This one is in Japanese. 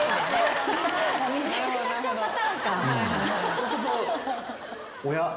そうすると。